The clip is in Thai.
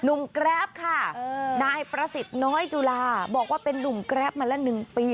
แกรปค่ะนายประสิทธิ์น้อยจุลาบอกว่าเป็นนุ่มแกรปมาละ๑ปี